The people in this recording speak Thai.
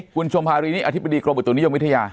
คุณชมภารีนี่อธิบดีกรมอุตุนิยมวิทยา